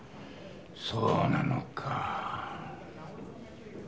そうなのか。